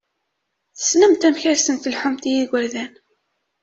Tessnemt amek ad sen-telḥumt i yigurdan!